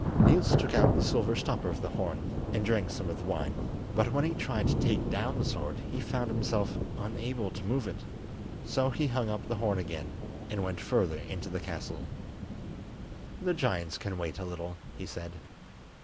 Niels took out the silver stopper of the horn, and drank some of the wine, but when he tried to take down the sword he found himself unable to move it. So he hung up the horn again, and went further in to the castle. "The giants can wait a little," he said.